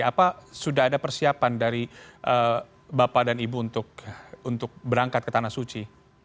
apa sudah ada persiapan dari bapak dan ibu untuk berangkat ke tanah suci